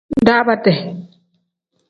Daabaade.